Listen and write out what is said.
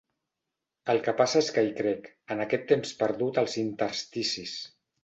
El que passa és que hi crec, en aquest temps perdut als intersticis.